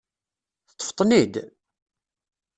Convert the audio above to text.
Teṭṭfeḍ-ten-id?